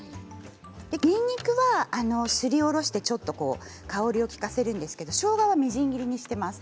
にんにくは、すりおろしてちょっと香りを利かせるんですけどしょうがはみじん切りにしています。